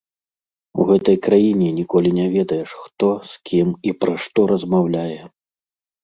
У гэтай краіне ніколі не ведаеш, хто, з кім і пра што размаўляе.